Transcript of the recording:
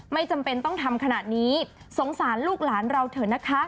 ไม่จำเป็นต้องทำขนาดนี้สงสารลูกหลานเราเถอะนะคะ